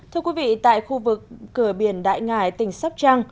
tại khu vực cờ biển đại ngải tỉnh sóc trăng